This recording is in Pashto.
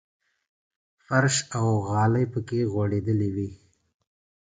فرش او نالۍ پکې غړېدلې وې.